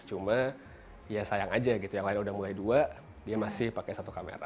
cuma ya sayang aja gitu yang lain udah mulai dua dia masih pakai satu kamera